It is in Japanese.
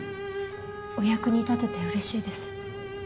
お役に立ててうれしいです。